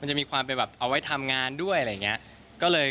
จะมีความเป็นแบบเอาไว้ทำงานด้วยอะไรอย่างนี้